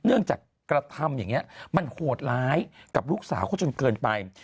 เนื่องจากกระทำอย่างนี้มันโหดร้ายกับลูกสาวเขาจนเกินไป